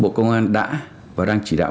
bộ công an đã và đang chỉ đạo